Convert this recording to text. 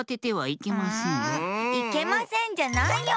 いけませんじゃないよ！